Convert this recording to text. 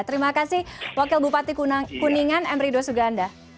terima kasih wakil bupati kuningan emrido suganda